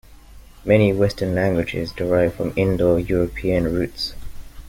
Many Western languages derive from Indo-European roots